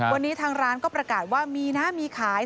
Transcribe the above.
วันนี้ทางร้านก็ประกาศว่ามีนะมีขาย